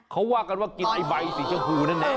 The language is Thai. เขาว่ากันว่ากินไอ้ใบสีชมพูนั่นเอง